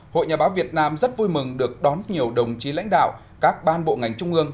hội nhà báo việt nam rất vui mừng được đón nhiều đồng chí lãnh đạo các ban bộ ngành trung ương